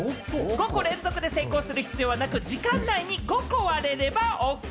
５個連続で成功する必要はなく、時間内に５個割れればＯＫ。